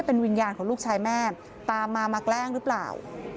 เป็นวิญญาณของลูกชายแม่ตามมามาแกล้งหรือเปล่า